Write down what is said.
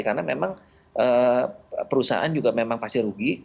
karena memang perusahaan juga memang pasti rugi